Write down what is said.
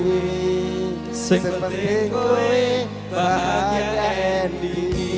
sempeting kowe bahagia endi